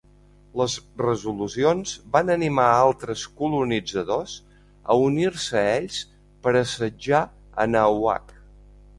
Les resolucions van animar a altres colonitzadors a unir-se a ells per assetjar Anahuac.